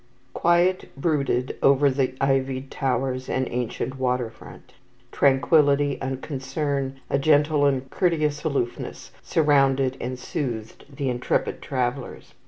Quiet brooded over the ivied towers and ancient water front. Tranquillity, unconcern, a gentle and courteous aloofness surrounded and soothed the intrepid travellers.